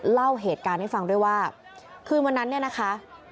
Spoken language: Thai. เล่าเหตุการณ์ให้ฟังด้วยว่าคืนวันนั้นเนี่ยนะคะ